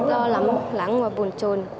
tâm trạng em rất lo lắng và buồn trồn